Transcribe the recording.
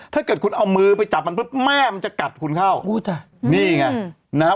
ถ้าเกิดคุณเอามือไปจับมันเพิ่งแม่มันจะกัดคุณเข้านี่ไงนะฮะ